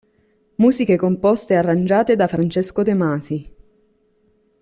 Musiche composte e arrangiate da Francesco De Masi.